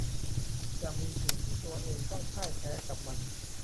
จะมีสิ่งที่ตัวเองต้องพ่ายแพ้กับมัน